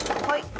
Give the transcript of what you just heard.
はい。